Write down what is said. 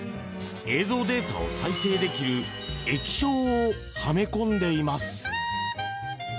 映像データを再生できる液晶をはめ込んでいます。